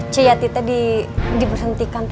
cik yati tadi diperhentikan